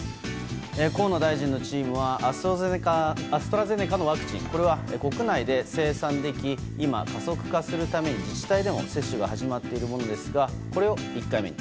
河野大臣のチームはアストラゼネカのワクチンこれは国内で生産でき今、加速化するために自治体でも接種が始まっているものですがこれを１回目に。